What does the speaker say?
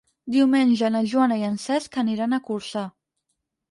Diumenge na Joana i en Cesc aniran a Corçà.